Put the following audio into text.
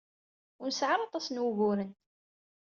Ur nesɛi ara aṭas n wuguren.